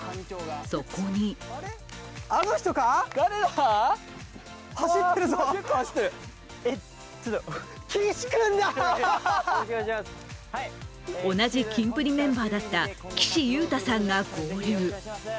そこに同じキンプリメンバーだった岸優太さんが合流。